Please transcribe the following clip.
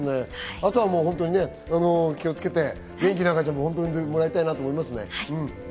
あとは本当に気をつけて元気な赤ちゃんを産んでもらいたいなと思いますね。